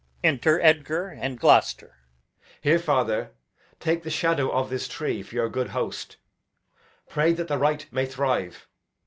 Enter Edgar and Gloucester. Edg. Here, father, take the shadow of this tree For your good host. Pray that the right may thrive.